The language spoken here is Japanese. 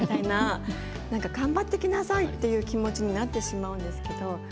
なんか頑張ってきなさいっていう気持ちになってしまうんですけど。